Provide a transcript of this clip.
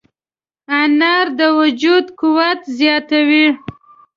انار د وجود قوت زیاتوي.